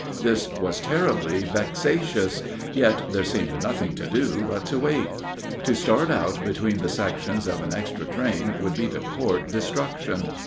This was terribly vexatious; yet there seemed nothing to do but to wait. To start out between the sections of an extra train would be to court destruction.